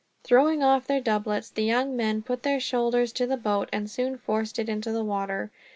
Throwing off their doublets, the young men put their shoulders to the boat, and soon forced it into the water.